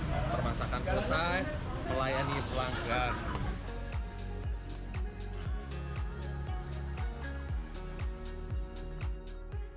permasakan selesai pelayan ini pulangkan